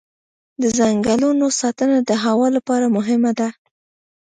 د ځنګلونو ساتنه د هوا لپاره مهمه ده.